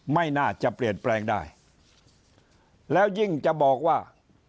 ไม่น่าจะเปลี่ยนแปลงได้แล้วยิ่งจะบอกว่า